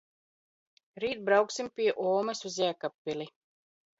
rīt brauksim pie omes uz Jēkabpili